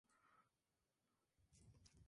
Se puede acampar o pasar el día.